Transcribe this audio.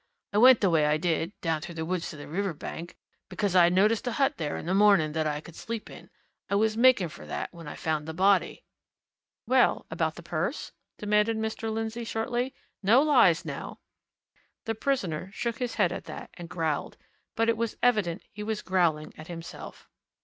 I went the way I did down through the woods to the river bank because I'd noticed a hut there in the morning that I could sleep in I was making for that when I found the body." "Well about the purse?" demanded Mr. Lindsey shortly. "No lies, now!" The prisoner shook his head at that, and growled but it was evident he was growling at himself.